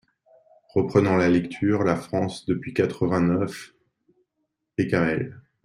Reprenant la lecture. "La France depuis quatre-vingt-neuf…" Bécamel.